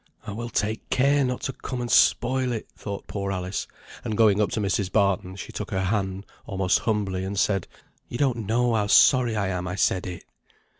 "I will take care not to come and spoil it," thought poor Alice; and going up to Mrs. Barton she took her hand almost humbly, and said, "You don't know how sorry I am I said it."